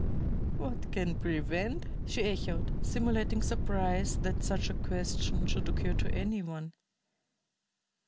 "What can prevent?" she echoed, simulating surprise that such a question should occur to any one.